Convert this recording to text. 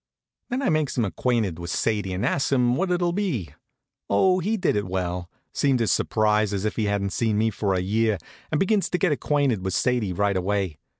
Then I makes him acquainted with Sadie, and asks him what it'll be. Oh, he did it well; seemed as surprised as if he hadn't seen me for a year, and begins to get acquainted with Sadie right away.